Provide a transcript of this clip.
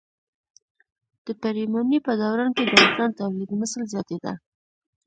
د پریمانۍ په دوران کې د انسان تولیدمثل زیاتېده.